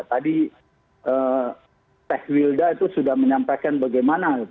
tadi teh wilda itu sudah menyampaikan bagaimana